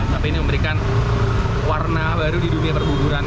tapi ini memberikan warna baru di dunia perbuburan